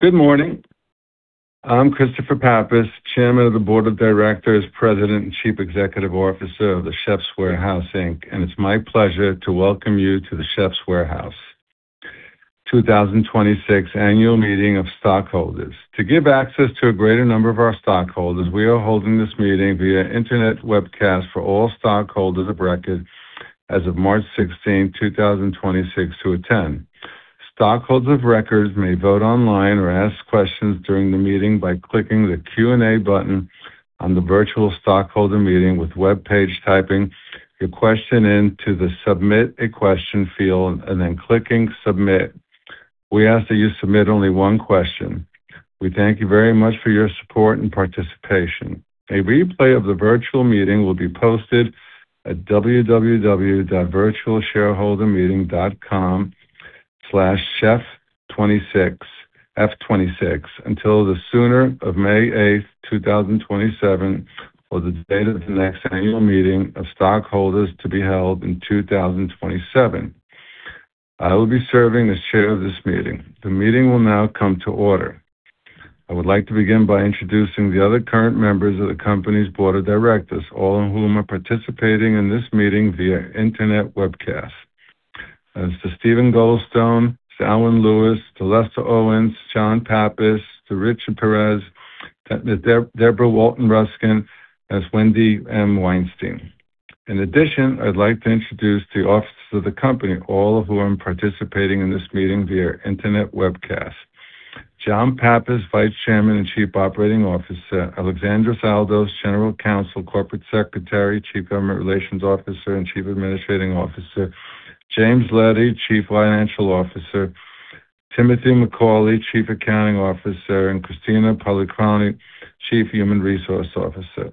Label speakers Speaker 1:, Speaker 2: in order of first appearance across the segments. Speaker 1: Good morning. I'm Christopher Pappas, Chairman of the Board of Directors, President, and Chief Executive Officer of The Chefs' Warehouse, Inc. It's my pleasure to welcome you to The Chefs' Warehouse 2026 Annual Meeting of Stockholders. To give access to a greater number of our stockholders, we are holding this meeting via internet webcast for all stockholders of record as of March 16th, 2026 to attend. Stockholders of records may vote online or ask questions during the meeting by clicking the Q&A button on the virtual stockholder meeting with webpage, typing your question into the Submit a Question field and then clicking Submit. We ask that you submit only one question. We thank you very much for your support and participation. A replay of the virtual meeting will be posted at www.virtualshareholdermeeting.com/chef26f26 until the sooner of May 8, 2027, or the date of the next annual meeting of stockholders to be held in 2027. I will be serving as Chair of this meeting. The meeting will now come to order. I would like to begin by introducing the other current members of the company's Board of Directors, all of whom are participating in this meeting via internet webcast. As to Steven Goldstone, Aylwin Lewis, Lester Owens, John Pappas, Richard Peretz, Debra Walton-Ruskin, as Wendy M. Weinstein. In addition, I'd like to introduce the officers of the company, all of whom are participating in this meeting via internet webcast. John Pappas, Vice Chairman and Chief Operating Officer. Alexandros Aldous, General Counsel, Corporate Secretary, Chief Government Relations Officer, and Chief Administrative Officer. James Leddy, Chief Financial Officer. Timothy McCauley, Chief Accounting Officer, and Christina Polychroni, Chief Human Resource Officer.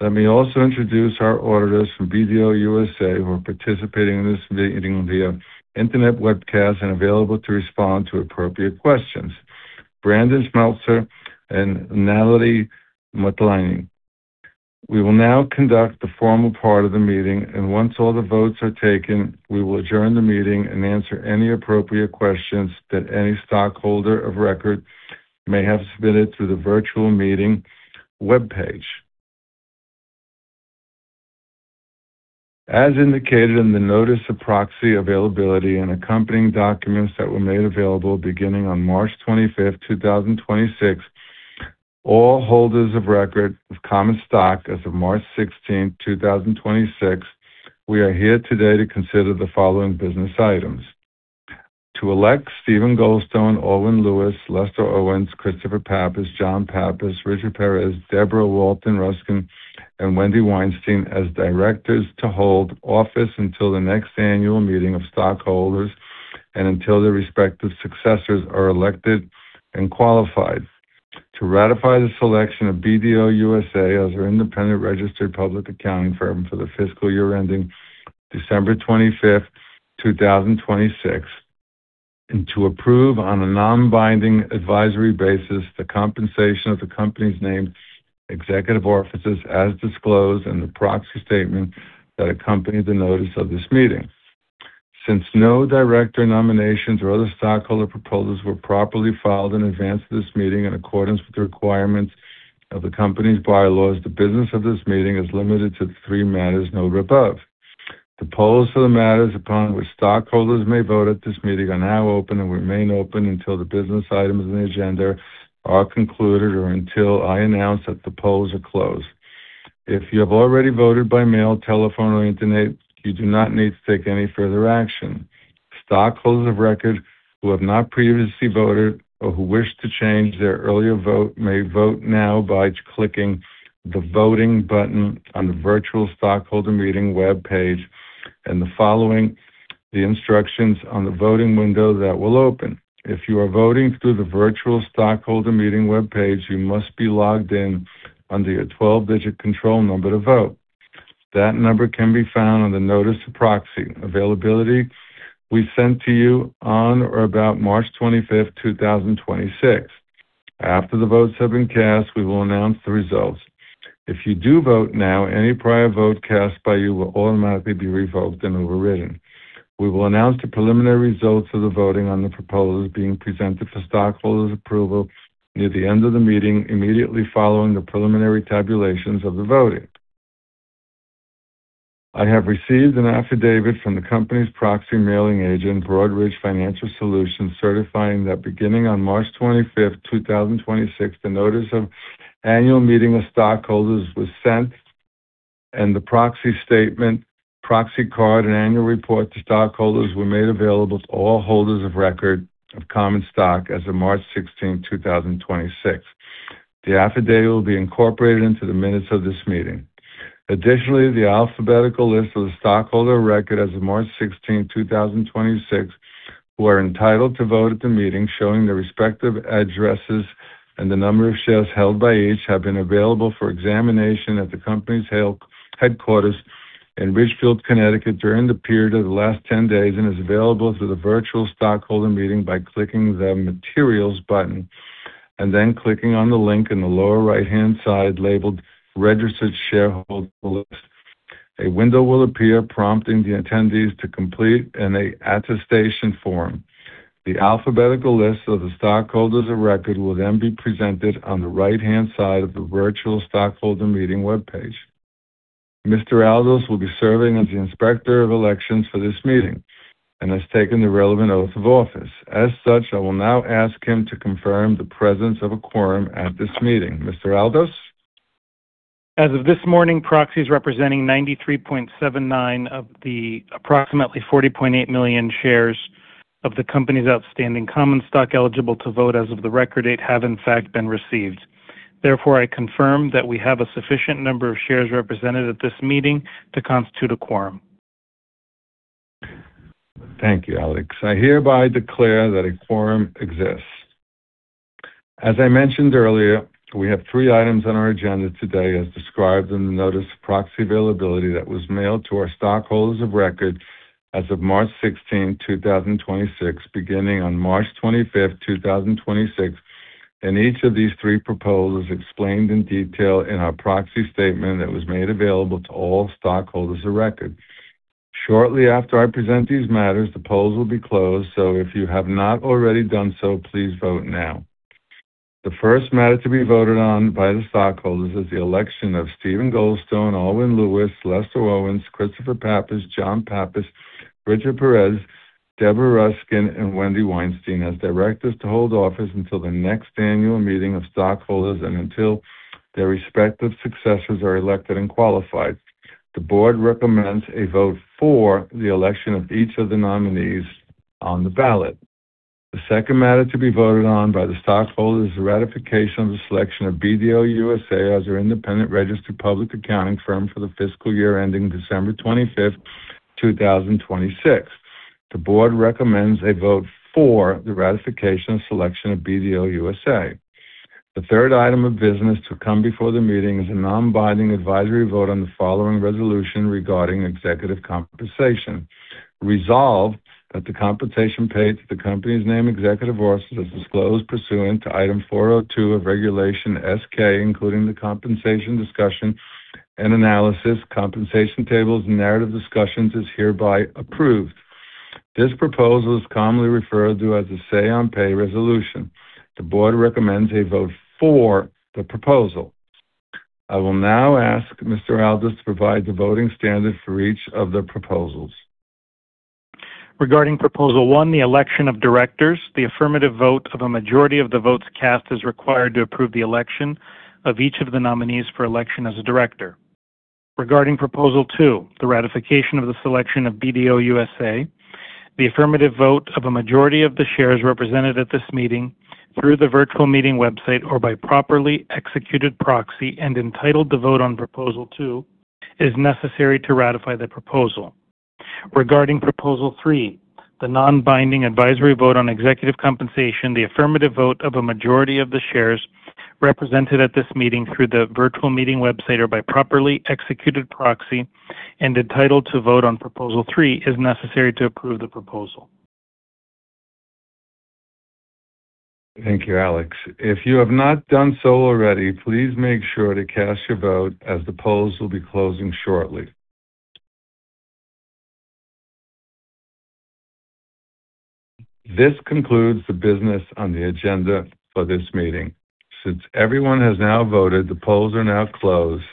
Speaker 1: Let me also introduce our auditors from BDO USA who are participating in this meeting via internet webcast and available to respond to appropriate questions. Brandon Schmeltzer and Natalie Matlane. We will now conduct the formal part of the meeting. Once all the votes are taken, we will adjourn the meeting and answer any appropriate questions that any stockholder of record may have submitted through the virtual meeting webpage. As indicated in the notice of proxy availability and accompanying documents that were made available beginning on March 25th, 2026, all holders of record of common stock as of March 16th, 2026, we are here today to consider the following business items: To elect Steven Goldstone, Aylwin Lewis, Lester Owens, Christopher Pappas, John Pappas, Richard Peretz, Debra Walton-Ruskin, and Wendy M. Weinstein as directors to hold office until the next annual meeting of stockholders and until their respective successors are elected and qualified. To ratify the selection of BDO USA as our independent registered public accounting firm for the fiscal year ending December 25th, 2026. To approve, on a non-binding advisory basis, the compensation of the company's named executive officers as disclosed in the proxy statement that accompanied the notice of this meeting. Since no director nominations or other stockholder proposals were properly filed in advance of this meeting in accordance with the requirements of the company's bylaws, the business of this meeting is limited to the three matters noted above. The polls for the matters upon which stockholders may vote at this meeting are now open and remain open until the business items in the agenda are concluded or until I announce that the polls are closed. If you have already voted by mail, telephone or internet, you do not need to take any further action. Stockholders of record who have not previously voted or who wish to change their earlier vote may vote now by clicking the Voting button on the virtual stockholder meeting webpage and the following the instructions on the voting window that will open. If you are voting through the virtual stockholder meeting webpage, you must be logged in under your 12-digit control number to vote. That number can be found on the notice of proxy availability we sent to you on or about March 25th, 2026. After the votes have been cast, we will announce the results. If you do vote now, any prior vote cast by you will automatically be revoked and overridden. We will announce the preliminary results of the voting on the proposals being presented for stockholders' approval near the end of the meeting immediately following the preliminary tabulations of the voting. I have received an affidavit from the company's proxy mailing agent, Broadridge Financial Solutions, certifying that beginning on March 25th, 2026, the Notice of Annual Meeting of Stockholders was sent, and the proxy statement, proxy card, and annual report to stockholders were made available to all holders of record of common stock as of March 16th, 2026. The affidavit will be incorporated into the minutes of this meeting. Additionally, the alphabetical list of the stockholder of record as of March 16th, 2026, who are entitled to vote at the meeting, showing their respective addresses and the number of shares held by each, have been available for examination at the company's headquarters in Ridgefield, Connecticut, during the period of the last 10 days, and is available through the virtual stockholder meeting by clicking the Materials button and then clicking on the link in the lower right-hand side labeled Registered Shareholder List. A window will appear prompting the attendees to complete an attestation form. The alphabetical list of the stockholders of record will then be presented on the right-hand side of the virtual stockholder meeting webpage. Mr. Aldous will be serving as the Inspector of Elections for this meeting and has taken the relevant oath of office. As such, I will now ask him to confirm the presence of a quorum at this meeting. Mr. Aldous?
Speaker 2: As of this morning, proxies representing 93.79% of the approximately 40.8 million shares of the company's outstanding common stock eligible to vote as of the record date have in fact been received. Therefore, I confirm that we have a sufficient number of shares represented at this meeting to constitute a quorum.
Speaker 1: Thank you, Alex. I hereby declare that a quorum exists. As I mentioned earlier, we have three items on our agenda today, as described in the notice of proxy availability that was mailed to our stockholders of record as of March 16th, 2026, beginning on March 25th, 2026, and each of these three proposals explained in detail in our proxy statement that was made available to all stockholders of record. Shortly after I present these matters, the polls will be closed, so if you have not already done so, please vote now. The first matter to be voted on by the stockholders is the election of Steven Goldstone, Aylwin Lewis, Lester Owens, Christopher Pappas, John Pappas, Richard Peretz, Debra Walton-Ruskin, and Wendy M. Weinstein as directors to hold office until the next annual meeting of stockholders and until their respective successors are elected and qualified. The board recommends a vote for the election of each of the nominees on the ballot. The second matter to be voted on by the stockholders is the ratification of the selection of BDO USA as their independent registered public accounting firm for the fiscal year ending December 25, 2026. The board recommends a vote for the ratification and selection of BDO USA. The third item of business to come before the meeting is a non-binding advisory vote on the following resolution regarding executive compensation. Resolved that the compensation paid to the company's named executive officers as disclosed pursuant to Item 402 of Regulation S-K, including the compensation discussion and analysis, compensation tables, and narrative discussions, is hereby approved. This proposal is commonly referred to as a Say-on-Pay resolution. The board recommends a vote for the proposal. I will now ask Alexandros Aldous to provide the voting standard for each of the proposals.
Speaker 2: Regarding Proposal one, the election of directors, the affirmative vote of a majority of the votes cast is required to approve the election of each of the nominees for election as a director. Regarding Proposal two, the ratification of the selection of BDO USA, the affirmative vote of a majority of the shares represented at this meeting through the virtual meeting website or by properly executed proxy and entitled to vote on Proposal three is necessary to ratify the proposal. Regarding Proposal three, the non-binding advisory vote on executive compensation, the affirmative vote of a majority of the shares represented at this meeting through the virtual meeting website or by properly executed proxy and entitled to vote on Proposal three is necessary to approve the proposal.
Speaker 1: Thank you, Alex. If you have not done so already, please make sure to cast your vote as the polls will be closing shortly. This concludes the business on the agenda for this meeting. Everyone has now voted, the polls are now closed.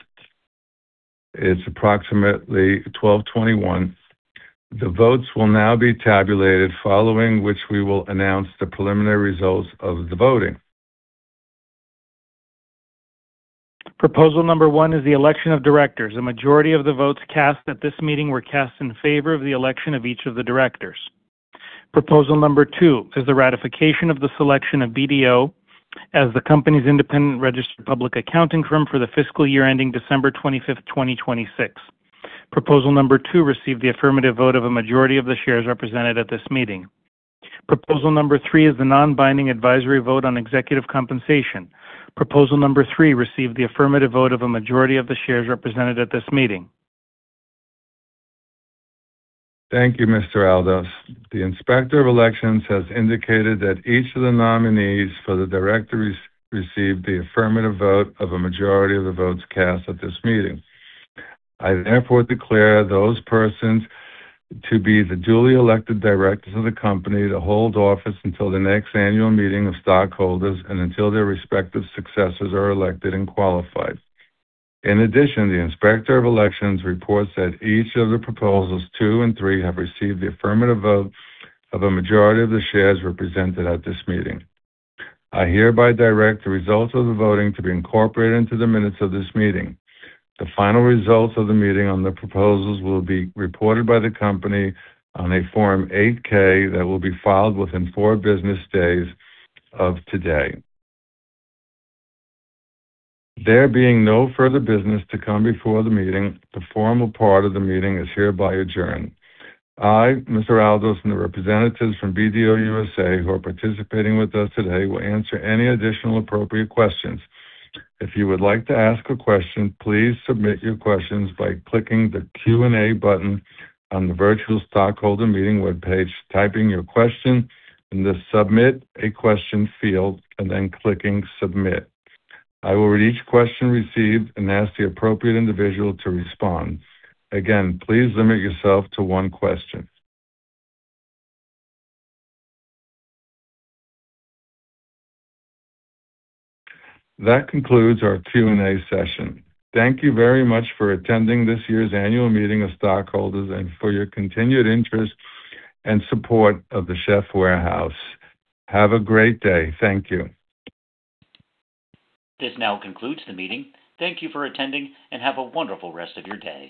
Speaker 1: It's approximately 12:21 P.M. The votes will now be tabulated, following which we will announce the preliminary results of the voting.
Speaker 2: Proposal number one is the election of directors. A majority of the votes cast at this meeting were cast in favor of the election of each of the directors. Proposal number two is the ratification of the selection of BDO as the company's independent registered public accounting firm for the fiscal year ending December 25th, 2026. Proposal 2 received the affirmative vote of a majority of the shares represented at this meeting. Proposal 3 is the non-binding advisory vote on executive compensation. Proposal number three received the affirmative vote of a majority of the shares represented at this meeting.
Speaker 1: Thank you, Mr. Aldous. The Inspector of Elections has indicated that each of the nominees for the directors received the affirmative vote of a majority of the votes cast at this meeting. I therefore declare those persons to be the duly elected directors of the company to hold office until the next annual meeting of stockholders and until their respective successors are elected and qualified. In addition, the Inspector of Elections reports that each of the proposals two and three have received the affirmative vote of a majority of the shares represented at this meeting. I hereby direct the results of the voting to be incorporated into the minutes of this meeting. The final results of the meeting on the proposals will be reported by the company on a Form 8-K that will be filed within four business days of today. There being no further business to come before the meeting, the formal part of the meeting is hereby adjourned. I, Mr. Aldous, and the representatives from BDO USA who are participating with us today will answer any additional appropriate questions. If you would like to ask a question, please submit your questions by clicking the Q&A button on the virtual stockholder meeting webpage, typing your question in the Submit a Question field, and then clicking Submit. I will read each question received and ask the appropriate individual to respond. Again, please limit yourself to one question. That concludes our Q&A session. Thank you very much for attending this year's annual meeting of stockholders and for your continued interest and support of The Chefs' Warehouse. Have a great day. Thank you.
Speaker 3: This now concludes the meeting. Thank you for attending, and have a wonderful rest of your day.